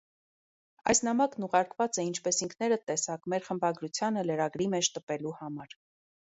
- Այս նամակն ուղարկված է, ինչպես ինքներդ տեսաք, մեր խմբագրությանը լրագրի մեջ տպելու համար: